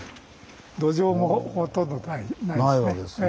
土壌もほとんどないですね。